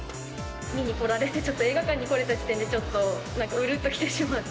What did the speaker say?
見に来られて、ちょっと映画館に来れた時点でちょっとなんかうるっときてしまって。